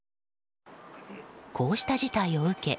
こうした事態を受け